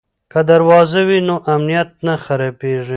که دروازه وي نو امنیت نه خرابېږي.